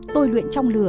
tôi luyện trong lửa